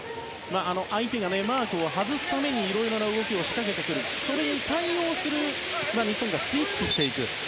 相手がマークを外すためにいろいろな動きを仕掛けてくる、それに対応する日本がスイッチしていく。